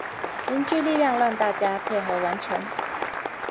凝聚力量讓大家配合完成